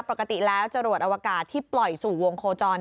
ปกติแล้วจรวดอวกาศที่ปล่อยสู่วงโคจร